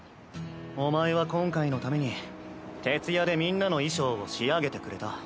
お前は今回のために徹夜でみんなの衣装を仕上げてくれた。